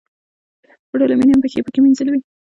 په ټوله مینه مې پښې پکې مینځلې وې.